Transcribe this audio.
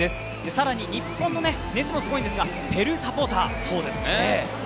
更に日本の熱もすごいんですが、ペルーサポーターも。